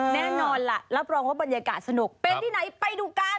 แน่นอนล่ะรับรองว่าบรรยากาศสนุกเป็นที่ไหนไปดูกัน